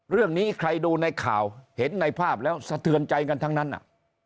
เรื่องนี้ใครดูในข่าวเห็นในภาพแล้วสะเทือนใจกันทั้งนั้นอ่ะ